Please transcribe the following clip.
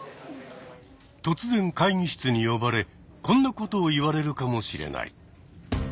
突然会議室に呼ばれこんなことを言われるかもしれない。